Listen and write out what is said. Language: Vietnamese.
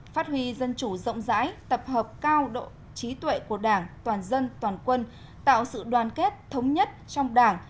phát huy dân chủ rộng rãi tập hợp cao độ trí tuệ của đảng toàn dân toàn quân tạo sự đoàn kết thống nhất trong đảng